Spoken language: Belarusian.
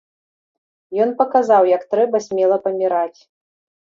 Ён паказаў, як трэба смела паміраць.